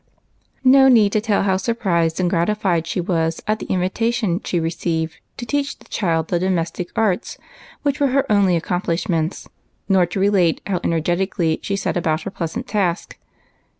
No need to tell how surprised and gratified she was at the invitation she received to teach the child the domestic arts which were her only accomplishments, nor to relate how energetically she set about her pleas ant task.